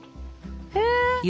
へえ。